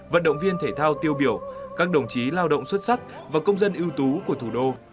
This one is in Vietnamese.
vận động viên thể thao tiêu biểu các đồng chí lao động xuất sắc và công dân ưu tú của thủ đô